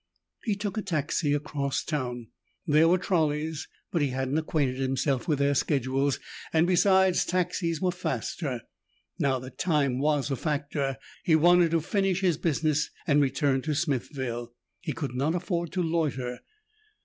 Jeff took a taxi across town. There were trolleys, but he hadn't acquainted himself with their schedules and, besides, taxis were faster. Now that time was a factor he wanted to finish his business and return to Smithville he could not afford to loiter.